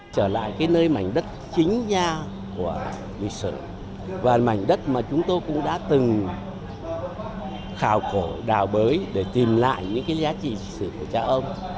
trở lại cái nơi mảnh đất chính gia của lịch sử và mảnh đất mà chúng tôi cũng đã từng khảo cổ đào bới để tìm lại những cái giá trị lịch sử của cha ông